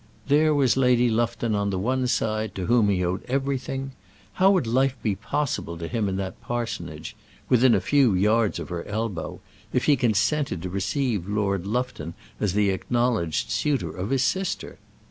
There was Lady Lufton on the one side, to whom he owed everything. How would life be possible to him in that parsonage within a few yards of her elbow if he consented to receive Lord Lufton as the acknowledged suitor of his sister?